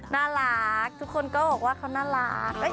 น่ารักทุกคนก็บอกว่าเขาน่ารัก